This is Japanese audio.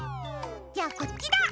じゃあこっちだ！